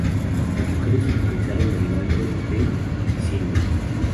Las mujeres utilizaron el nombre de "Licinia".